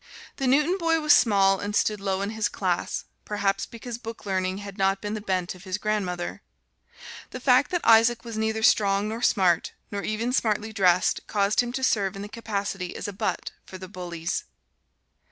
The Newton boy was small and stood low in his class, perhaps because book learning had not been the bent of his grandmother. The fact that Isaac was neither strong nor smart, nor even smartly dressed, caused him to serve in the capacity of a butt for the bullies.